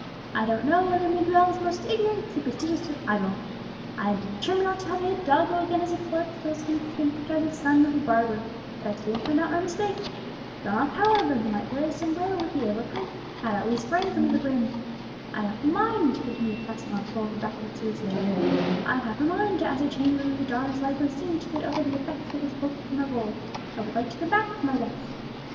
I don't know whether Miguel is most ignorant, superstitious, or idle. I had determined not to have a hidalgo again as a clerk, so was content to try the son of a barber; but I soon found out my mistake. Don Alcala de Aguilera, though he might wear his sombrero with the air of a prince, had at least brains under the brim. I've half a mind," continued Passmore, lolling back in his easy chair, "I've half a mind to ascertain whether the don is likely soon to get over the effects of his poke from the bull, and would like to come back to his desk.